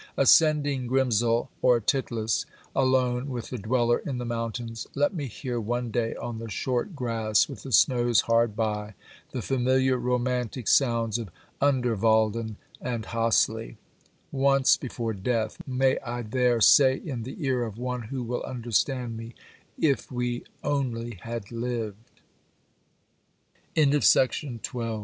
Ascending Grimsel or Titlis, alone with the dweller in the mountains, let me hear one day, on the short grass, with the snows hard by, the familiar romantic sounds of Underwalden and Hasly ; once before death may I there say in the ear of one who will understand me :" If we only ha